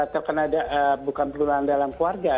terkena bukan penularan dalam keluarga